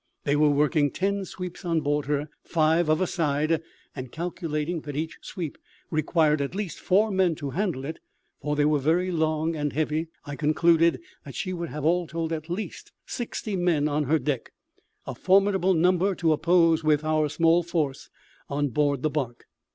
They were working ten sweeps on board her five of a side and calculating that each sweep required at least four men to handle it (for they were very long and heavy), I concluded that she would have, all told, at least sixty men on her deck, a formidable number to oppose with our small force on board the barque.